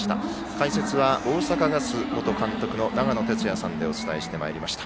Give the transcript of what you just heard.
解説は大阪ガス元監督の長野哲也さんでお伝えしてまいりました。